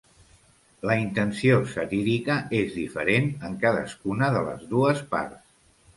La intenció satírica és diferent en cadascuna de les dues parts.